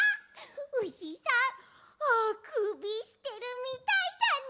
うしさんあくびしてるみたいだね。